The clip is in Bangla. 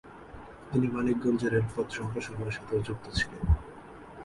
তিনি মানিকগঞ্জে রেলপথ সম্প্রসারণের সাথেও যুক্ত ছিলেন।